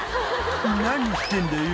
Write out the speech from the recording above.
「何してんだよ！